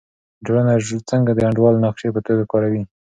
ټولنه څنګه د انډول د نقشې په توګه کاروي؟